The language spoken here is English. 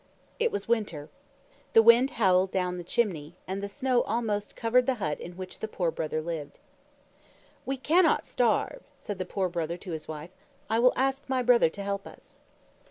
It was winter. The wind howled down the chimney, and the snow almost covered the hut in which the Poor Brother lived. "We cannot starve," said the Poor Brother to his wife. "I will ask my brother to help us."